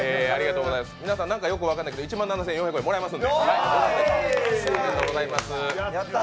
皆さん、何かよく分かりませんが１万７４００円、もらえますので。